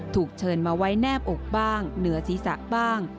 ถูกเชิญมาไว้แนบอกบ้างเหนือศีรษะบ้าง